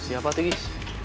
siapa tuh gis